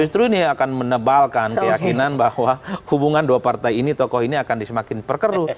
justru ini akan menebalkan keyakinan bahwa hubungan dua partai ini tokoh ini akan semakin perkeru